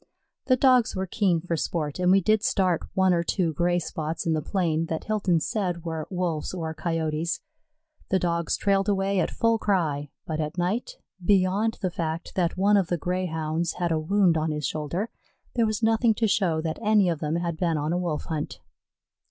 The Dogs were keen for sport, and we did start one or two gray spots in the plain that Hilton said were Wolves or Coyotes. The Dogs trailed away at full cry, but at night, beyond the fact that one of the Greyhounds had a wound on his shoulder, there was nothing to show that any of them had been on a Wolf hunt.